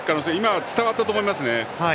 今、伝わったと思います。